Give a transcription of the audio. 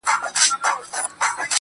خبره دا نه ده چې چا کلي ته اور ورته کړو